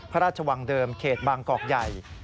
พระราชวังเดิมเขตบางกอกใหญ่